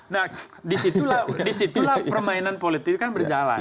nah disitulah permainan politik kan berjalan